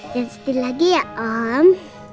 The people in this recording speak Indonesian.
jangan sedih lagi ya om